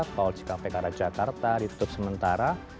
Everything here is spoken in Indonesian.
tol cikampek karajakarta ditutup sementara